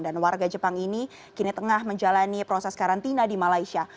dan warga jepang ini kini tengah menjalani proses karantina di malaysia